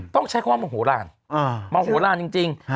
ต้องใช้ความโมโหร่านโมโหร่านจริง